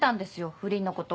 不倫のこと。